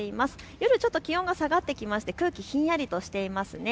夜ちょっと気温が下がってきまして空気ひんやりとしていますね。